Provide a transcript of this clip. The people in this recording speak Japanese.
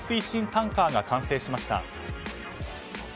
タンカーが完成しました。